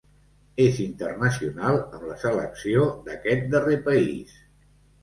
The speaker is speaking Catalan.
És internacional amb la selecció d'aquest darrer país.